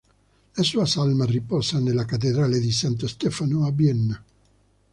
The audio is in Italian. La sua salma riposa nella Cattedrale di Santo Stefano a Vienna.